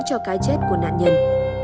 cho cái chết của nạn nhân